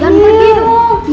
jangan pergi dong